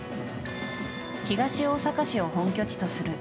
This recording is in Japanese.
東大阪市を本拠地とするＦＣ